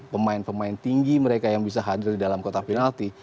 pemain pemain tinggi mereka yang bisa hadir di dalam kota penalti